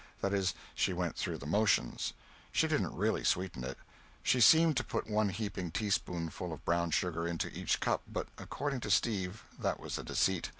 That is, she went through the motions. She didn't really sweeten it. She seemed to put one heaping teaspoonful of brown sugar into each cup, but, according to Steve, that was a deceit.